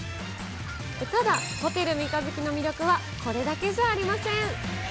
ただ、ホテル三日月の魅力はこれだけじゃありません。